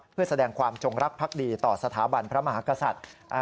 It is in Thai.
เพื่อแสดงความจงรักภักดีต่อสถาบันพระมหากษัตริย์